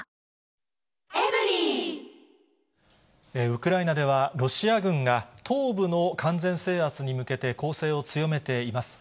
ウクライナでは、ロシア軍が東部の完全制圧に向けて、攻勢を強めています。